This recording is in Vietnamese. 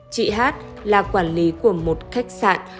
chị hát là quản lý của một khách sạn